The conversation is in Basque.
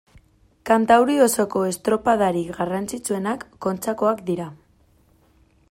Kantauri osoko estropadarik garrantzitsuenak Kontxakoak dira.